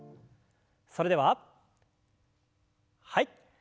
それでははい。